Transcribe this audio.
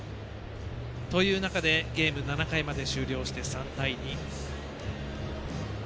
その中でゲーム７回まで終了して３対２。